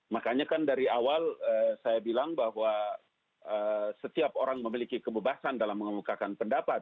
makanya kan dari awal saya bilang bahwa setiap orang memiliki kebebasan dalam mengemukakan pendapat